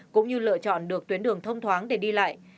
cũng như lựa chọn được tuyến đường thông thoáng để đi lại